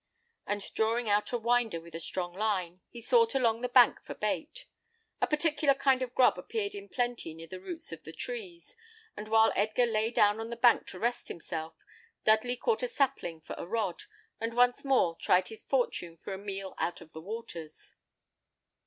And drawing out a winder with a strong line, he sought along the bank for bait. A peculiar kind of grub appeared in plenty near the roots of the trees; and while Edgar lay down on the bank to rest himself, Dudley cut a sapling for a rod, and once more tried his fortune for a meal out of the waters.